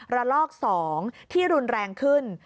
ระลอก๒ที่รุนแรงขึ้น